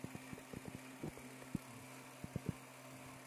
সে বলবে, হে আমার প্রতিপালক!